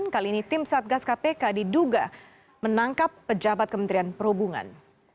kali ini tim satgas kpk diduga menangkap pejabat kementerian perhubungan